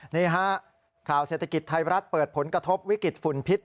นี่ฮะข่าวเศรษฐกิจไทยรัฐเปิดผลกระทบวิกฤตฝุ่นพิษ